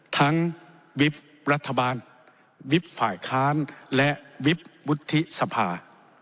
วิบรัฐบาลวิบฝ่ายค้านและวิบวุฒิสภา